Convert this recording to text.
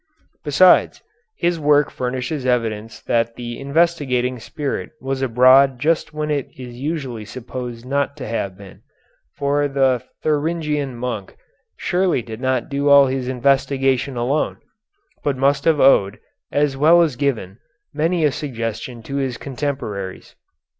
Besides, his work furnishes evidence that the investigating spirit was abroad just when it is usually supposed not to have been, for the Thuringian monk surely did not do all his investigation alone, but must have owed, as well as given, many a suggestion to his contemporaries.